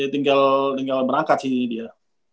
tinggal berangkat sih dia